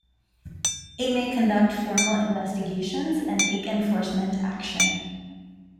It may conduct formal investigations and take enforcement action.